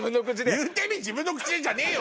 「言うてみ自分の口で」じゃねえよ！